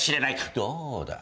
どうだ？